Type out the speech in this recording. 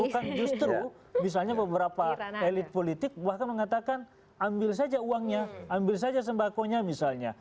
bukan justru misalnya beberapa elit politik bahkan mengatakan ambil saja uangnya ambil saja sembakonya misalnya